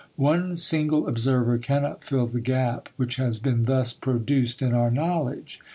One single observer cannot fill the gap which has been thus produced in our knowledge.